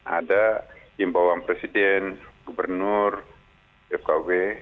ada imbauan presiden gubernur fkw